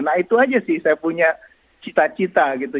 nah itu aja sih saya punya cita cita gitu